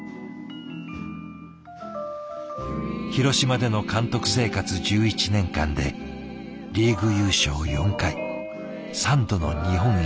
広島での監督生活１１年間でリーグ優勝４回３度の日本一に輝いた。